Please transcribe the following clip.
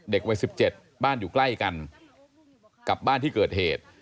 เด็กวัย๑๗บ้านอยู่ใกล้กันกับบ้านที่เกิดเหตุ